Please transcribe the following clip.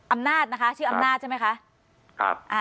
อำนาจนะคะชื่ออำนาจใช่ไหมคะ